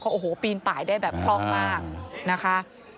เขาปีนปลายได้แบบพร้อมมากนะคะ